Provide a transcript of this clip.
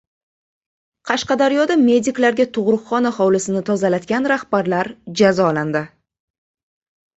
Qashqadaryoda “medik”larga tug‘ruqxona hovlisini tozalatgan rahbarlar jazolandi